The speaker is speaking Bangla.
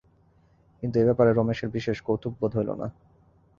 কিন্তু এই ব্যাপারে রমেশের বিশেষ কৌতুকবোধ হইল না।